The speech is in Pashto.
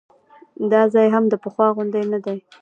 دا ځای هم د پخوا غوندې نه دی.